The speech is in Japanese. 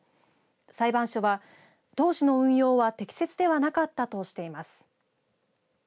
裁判所は当時の運用は適切ではなかったとしています。